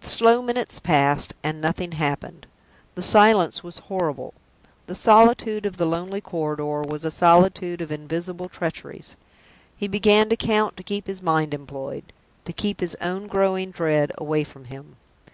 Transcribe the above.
The slow minutes passed, and nothing happened. The silence was horrible; the solitude of the lonely corridor was a solitude of invisible treacheries. He began to count to keep his mind employed to keep his own growing dread away from him.